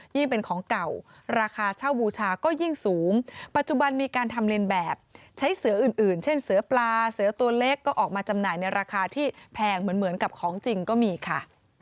ยิ่งเป็นของเก่าราคาเช่าบูชาก็ยิ่งสูงปัจจุบันมีการทำเลนแบบใช้เสืออื่นเช่นเสือปลาเสือตัวเล็กก็ออกมาจำหน่ายในราคาที่แพงเหมือนกับของจริงก็มีค่ะ